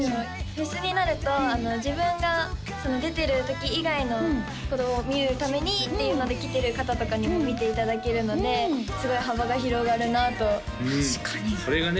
フェスになると自分が出てる時以外のことも見るためにっていうので来てる方とかにも見ていただけるのですごい幅が広がるなと確かにそれがね